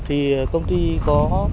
thì công ty có